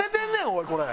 おいこれ。